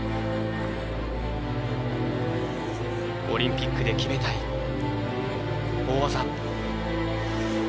オリンピックで決めたい大技。